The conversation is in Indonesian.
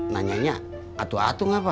nanyanya atu atu ngapa